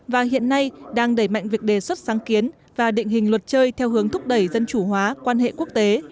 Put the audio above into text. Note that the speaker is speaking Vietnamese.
và hiện nay đang đẩy mạnh việc đề xuất sáng kiến và định hình luật chơi theo hướng thúc đẩy dân chủ hóa quan hệ quốc tế